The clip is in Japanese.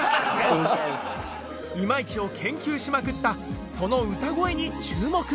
今市を研究しまくったその歌声に注目